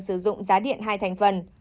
sử dụng giá điện hai thành phần